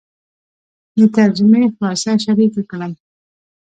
د ترجمې خلاصه شریکه کړم.